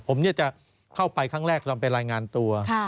ผมจะเข้าไปครั้งแรกตอนไปรายงานตัว